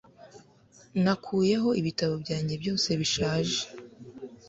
nakuyeho ibitabo byanjye byose bishaje